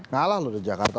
ngalah loh di jakarta